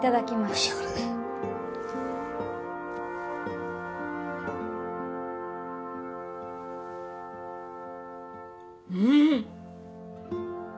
召し上がれうーん！